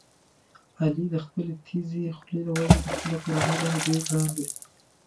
علي د خپلې تېزې خولې له وجې په خپله کورنۍ باندې ډېر ګران دی.